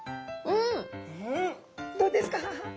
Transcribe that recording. うんどうですか？